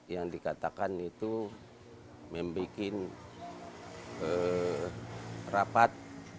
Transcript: yang dikatakan itu membuat rapat